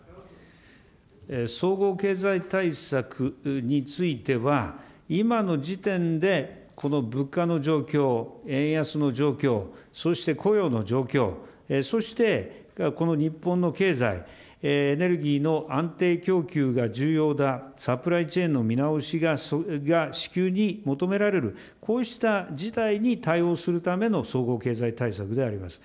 総合経済対策については、今の時点でこの物価の状況、円安の状況、そして雇用の状況、そしてこの日本の経済、エネルギーの安定供給が重要だ、サプライチェーンの見直しが、至急に求められる、こうした事態に対応するための総合経済対策であります。